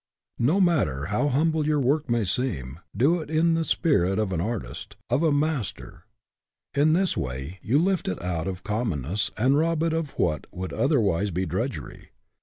No matter how humble your work may seem, do it in the spirit of an artist, of a mas 84 SPIRIT IN WHICH YOU WORK ter. In this way you lift it out of common ness and rob it of what would otherwise be drudgery.